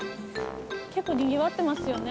結構にぎわってますよね。